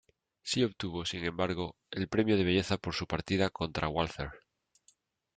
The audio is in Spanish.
Sí obtuvo, sin embargo, el premio de belleza por su partida contra Walther.